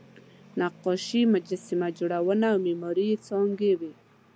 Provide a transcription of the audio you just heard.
نقاشي، مجسمه جوړونه او معماري یې څانګې وې.